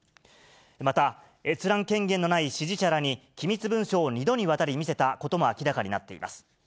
また、閲覧権限のない支持者らに機密文書を２度にわたり見せたことも明らかになっています。